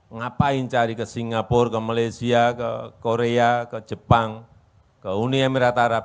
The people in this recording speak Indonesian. ngapain cari ke singapura ke malaysia ke korea ke jepang ke uni emirat arab